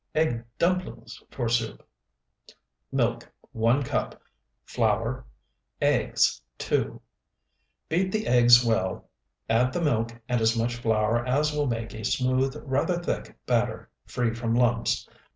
EGG DUMPLINGS FOR SOUP Milk, 1 cup. Flour. Eggs, 2. Beat the eggs well, add the milk and as much flour as will make a smooth, rather thick batter, free from lumps.